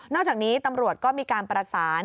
จากนี้ตำรวจก็มีการประสาน